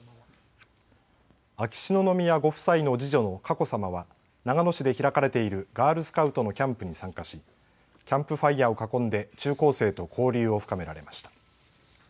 秋篠宮ご夫妻の次女の佳子さまは長野市で開かれているガールスカウトのキャンプに参加しキャンプファイヤーを囲んで中高生と交流を深められました。